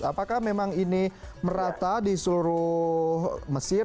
apakah memang ini merata di seluruh mesir